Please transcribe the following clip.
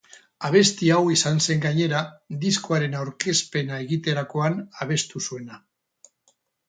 Abesti hau izan zen gainera diskoaren aurkezpena egiterakoan abestu zuena.